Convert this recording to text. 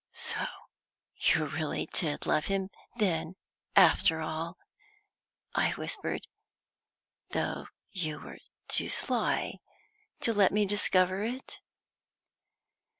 "So you really did love him, then, after all," I whispered, "though you were too sly to let me discover it?"